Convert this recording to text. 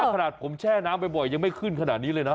ขนาดผมแช่น้ำบ่อยยังไม่ขึ้นขนาดนี้เลยนะ